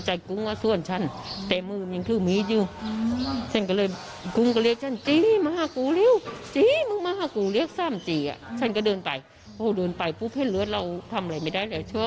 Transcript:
ใช่อ้าวลองฟังเธอยืนยันนะฮะ